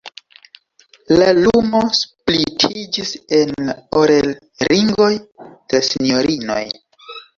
La lumo splitiĝis en la orelringoj de la sinjorinoj.